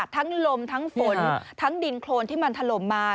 ทั้งลมทั้งฝนทั้งดินโครนที่มันถล่มมา